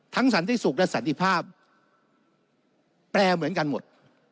สันติสุขและสันติภาพแปลเหมือนกันหมด